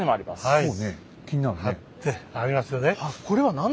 はい。